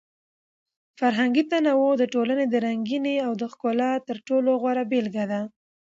فرهنګي تنوع د ټولنې د رنګینۍ او د ښکلا تر ټولو غوره بېلګه ده.